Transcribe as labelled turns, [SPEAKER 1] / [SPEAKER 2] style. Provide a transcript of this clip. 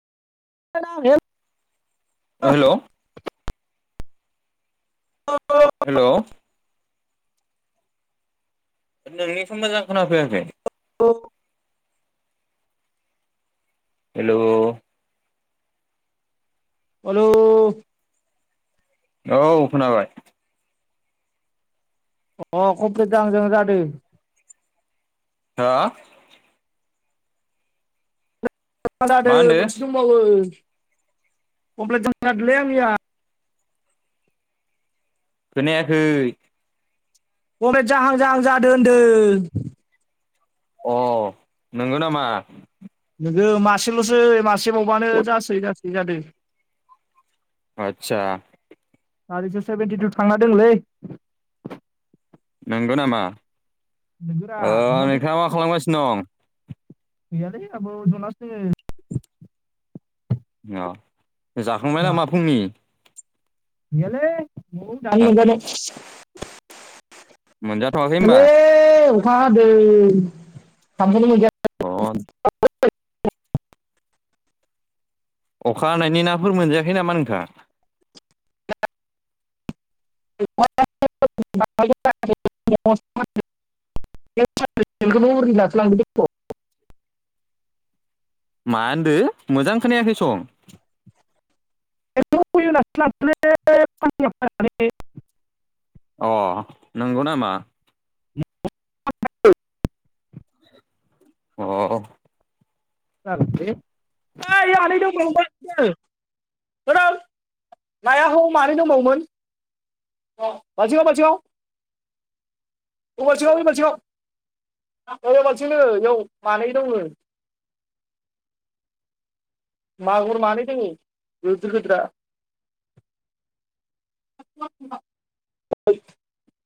[SPEAKER 1] [unintelligible]
[SPEAKER 2] ओ हेल'।
[SPEAKER 1] अ।
[SPEAKER 2] हेल'। नोंनिखो मोजां खोनाफैयाखै।
[SPEAKER 1] ओ।
[SPEAKER 2] हेल'।
[SPEAKER 1] अनु।
[SPEAKER 2] औ खोनाबाय।
[SPEAKER 1] अ कमप्लिट जाहां जाहां जादों।
[SPEAKER 2] अ।
[SPEAKER 1] [unintelligible]
[SPEAKER 2] मा
[SPEAKER 1] जादों
[SPEAKER 2] होनदो
[SPEAKER 1] मोनसे दंबावो कमप्लेत जाहां जादोंलै आंनिया।
[SPEAKER 2] खोनायाखै।
[SPEAKER 1] कमपेत जाहां जाहां जादों होनदों।
[SPEAKER 2] अ नोंगौ नामा?
[SPEAKER 1] नोङो मासेल'सै मासेबावबानो जासै जासै जादों।
[SPEAKER 2] अतसा।
[SPEAKER 1] हारि स' सेभेेनटि टु थांना दंलै।
[SPEAKER 2] नंगौ नामा
[SPEAKER 1] नोगोरा
[SPEAKER 2] ओ
[SPEAKER 1] नुवाखै
[SPEAKER 2] नोंथाङा मा खालामगासिनो दं?
[SPEAKER 1] गैयालै आब' जनासोङो दोङो।
[SPEAKER 2] अ जाखांबाय नामा फुंनि?
[SPEAKER 1] गैयालै मौ दासो [unintelligible]
[SPEAKER 2] मोनजाथ'वाखै।
[SPEAKER 1] [unintelligible]
[SPEAKER 2] होमबा
[SPEAKER 1] अखा हादों खामखोनो मोनजायाखै।
[SPEAKER 2] अ। अखा हानायनि नाफोर मोनजायाखै नामा नोंथां?
[SPEAKER 1] [unintelligible] [unintelligible]
[SPEAKER 2] मा होनदो मोजां खोनायाखै सं
[SPEAKER 1] [unintelligible]
[SPEAKER 2] अ नंगौ नामा?
[SPEAKER 1] [unintelligible]
[SPEAKER 2] अ
[SPEAKER 1] जागोन दे आनै दं गोदां नाया ह मानै दंबावोमोन। बाजियाव बाजियाव [unintelligible] अे बालथिंआवनो बेयाव मानै दङ। मागुर मानै दङ गोदिर गिदिरा [unintelligible]